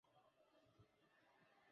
cha Sao Francisco do Iratapuru jamii ambayo